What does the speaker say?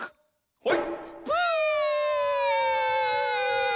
はい！